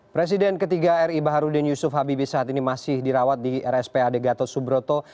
presiden ketiga ri baharudin yusuf habibie saat ini masih dirawat di rspad gatot subroto